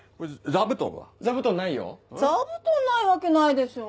座布団ないわけないでしょ。